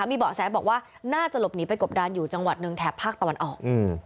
มีเบาะแสบอกว่าน่าจะหลบหนีไปกบดานอยู่จังหวัดหนึ่งแถบภาคตะวันออก